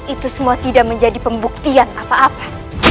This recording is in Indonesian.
itu semua tidak menjadi pembuktian apa apa